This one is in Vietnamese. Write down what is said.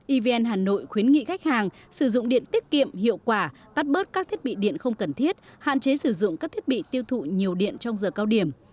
evn hà nội khuyến nghị khách hàng sử dụng điện tiết kiệm hiệu quả tắt bớt các thiết bị điện không cần thiết hạn chế sử dụng các thiết bị tiêu thụ nhiều điện trong giờ cao điểm